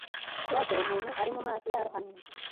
Kurotera umuntu ari mu mazi yarohamye